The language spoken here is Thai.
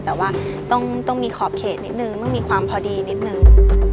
แต่ว่าต้องมีขอบเขตนิดนึงต้องมีความพอดีนิดนึง